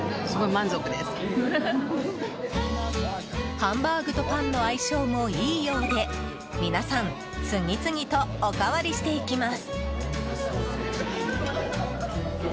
ハンバーグとパンの相性もいいようで皆さん次々とおかわりしていきます！